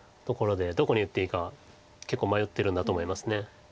どこに打っていいか結構迷ってるんだと思います。